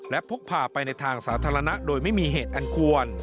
และพกพาไปในทางสาธารณะโดยไม่มีเหตุอันควร